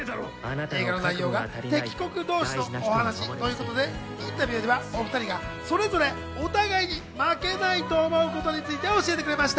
映画の内容が敵国同士のお話ということで、インタビューではお２人がそれぞれお互いに負けないと思うことについて教えてくれました。